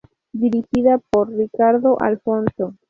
Dirigida por Ricardo Alfonso.